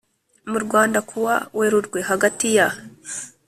Mu rwanda kuwa werurwe hagati ya